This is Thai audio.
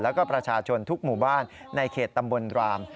แล้วก็ประชาชนทุกหมู่บ้านในเขตตำบลราม